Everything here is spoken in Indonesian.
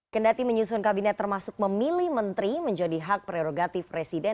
kendati menyusun kabinet termasuk memilih menteri menjadi hak prerogatif presiden